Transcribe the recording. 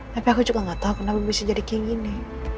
tapi aku juga gak tahu kenapa bisa jadi kayak gini